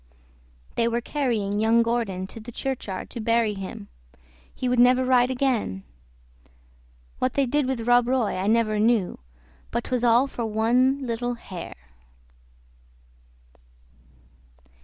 They were carrying young Gordon to the churchyard to bury him. He would never ride again. What they did with Rob Roy I never knew; but 'twas all for one little hare.